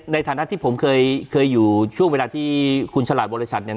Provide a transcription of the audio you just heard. ในฐานะที่ผมเคยอยู่ช่วงเวลาที่คุณฉลาดบริษัทเนี่ย